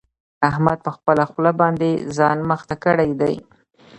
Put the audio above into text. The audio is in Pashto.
احمد په خپله خوله باندې ځان مخته کړی دی.